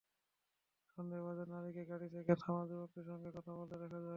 সন্দেহভাজন নারীকে গাড়ি থেকে নামা যুবকটির সঙ্গে কথা বলতে দেখা যায়।